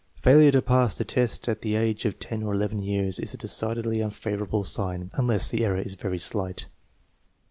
Fail ure to pass the test at the age of 10 or 11 years is a decidedly unfavorable sign, unless the error is very slight.